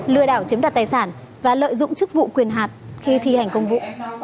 lừa đảo chiếm đặt tài sản và lợi dụng chức vụ quyền hạt khi thi hành công vụ